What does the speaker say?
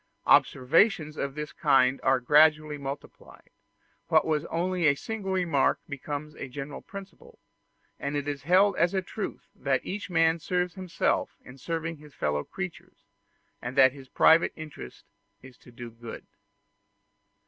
Observations of this kind are gradually multiplied: what was only a single remark becomes a general principle; and it is held as a truth that man serves himself in serving his fellow creatures, and that his private interest is to do good.